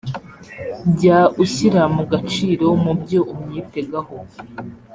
jya ushyira mu gaciro mu byo umwitegaho